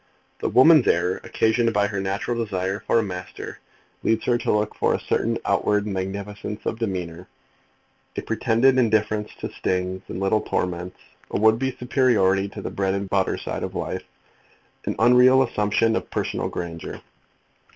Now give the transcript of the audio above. The woman's error, occasioned by her natural desire for a master, leads her to look for a certain outward magnificence of demeanour, a pretended indifference to stings and little torments, a would be superiority to the bread and butter side of life, an unreal assumption of personal grandeur.